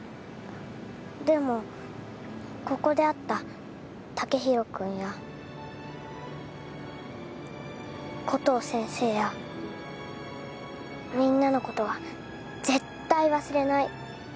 でも、ここで会った剛洋君やコトー先生やみんなのことは絶対忘れない。